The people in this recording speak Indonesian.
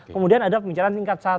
kemudian ada pembicaraan tingkat satu